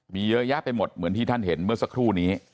มีเยอะแยะไปหมดเหมือนที่ท่านเห็นเมื่อสักครู่นี้